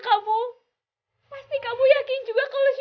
apa ini memang apa ini